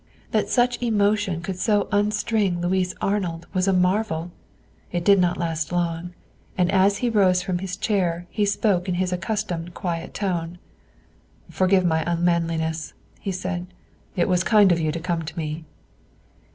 That such emotion could so unstring Louis Arnold was a marvel. It did not last long; and as he rose from his chair he spoke in his accustomed, quiet tone. "Forgive my unmanliness," he said; "it was kind of you to come to me."